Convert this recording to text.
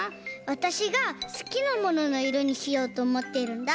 わたしがすきなもののいろにしようとおもってるんだ。